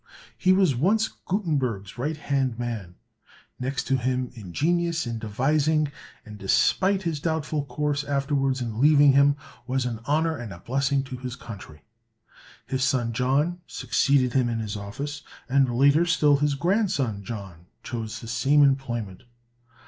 He was once Gutenberg's right hand man, next to him in genius in devising, and, despite his doubtful course afterwards in leaving him, was an honor and a blessing to his country. His son John succeeded him in his office, and later still his grandson John chose the same employment.